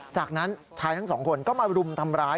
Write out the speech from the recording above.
จากนั้นชายทั้งสองคนก็มารุมทำร้าย